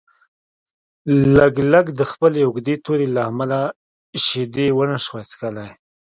لګلګ د خپلې اوږدې تورې له امله شیدې ونشوای څښلی.